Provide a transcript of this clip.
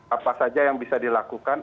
apa saja yang bisa dilakukan